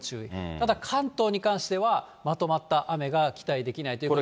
ただ関東に関しては、まとまった雨が期待できないということで。